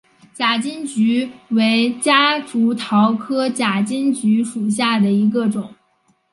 假金桔为夹竹桃科假金桔属下的一个种。